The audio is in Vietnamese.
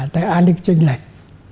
tại an ninh tranh lệch